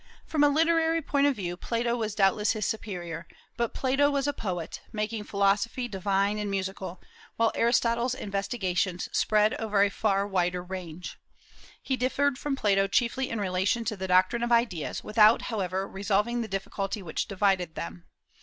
From a literary point of view, Plato was doubtless his superior; but Plato was a poet, making philosophy divine and musical, while Aristotle's investigations spread over a far wider range. He differed from Plato chiefly in relation to the doctrine of ideas, without however resolving the difficulty which divided them.